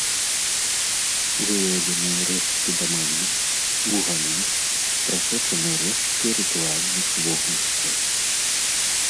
Выяўлены рэшткі дамавін, вугалі, прасочаны рэшткі рытуальных вогнішчаў.